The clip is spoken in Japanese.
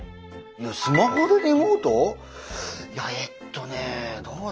スマホでリモート？いやえっとねどうだったかな？